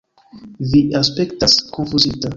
Vi aspektas konfuzita.